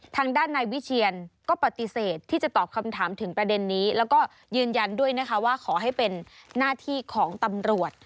ทางด้านนายวิเชียนก็ปฏิเสธที่จะตอบคำถามถึงประเด็นนี้แล้วก็ยืนยันด้วยนะคะว่าขอให้เป็นหน้าที่ของตำรวจ